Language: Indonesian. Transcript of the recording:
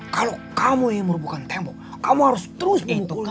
kalau kamu ingin merubuhkan tembok kamu harus terus memukulnya